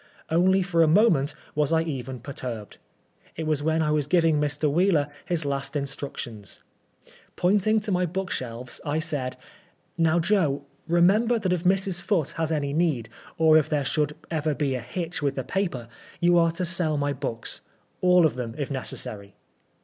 Only for a moment was I even perturbed. It was when I was giving Mr. Wheeler his last instructions. Point ing to my book shelves. I said :" Now, Joe, remember that if Mrs. Foote has any need, or if there should ever be a hitch with the paper, you are to sell my books— all of them if necessary.'